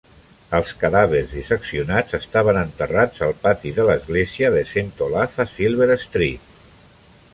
Els cadàvers disseccionats estaven enterrats al pati de l'església de Saint Olave, a Silver Street.